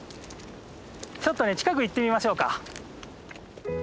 ちょっとね近く行ってみましょうか。